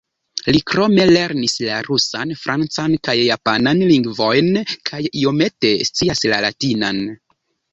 Li krome lernis la rusan, francan kaj japanan lingvojn, kaj iomete scias la latinan.